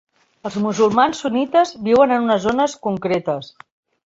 Els musulmans sunnites viuen en unes zones concretes.